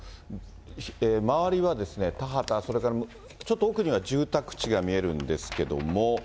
周りは田畑、それからちょっと奥には住宅地が見えるんですけども。